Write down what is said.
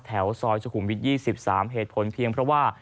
แถวซอยสุขุมวิทยี่สิบสามเหตุผลเพียงเพราะว่า